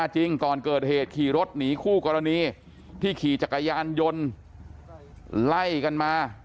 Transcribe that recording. จริงก่อนเกิดเหตุขี่รถหนีคู่กรณีที่ขี่จักรยานยนต์ไล่กันมา